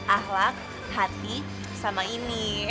ahlak hati sama ini